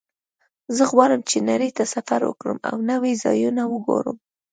زه غواړم چې نړۍ ته سفر وکړم او نوي ځایونه وګورم